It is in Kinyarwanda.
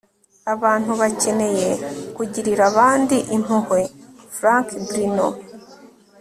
abantu bakeneye kugirira abandi impuhwe. - frank bruno